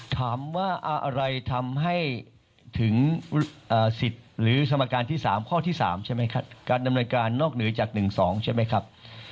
ถามว่าอะไรทำให้ถึงสิทธิ์หรือสมการที่๓ข้อที่๓ใช่ไหมครับการดำเนินการนอกเหนือจาก๑๒ใช่ไหมครับ